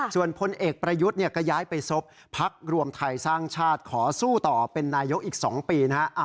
ส่วนพลเอกประยุทธ์ก็ย้ายไปซบพักรวมไทยสร้างชาติขอสู้ต่อเป็นนายกอีก๒ปีนะฮะ